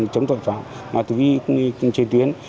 chống tội phạm tùy trên tuyến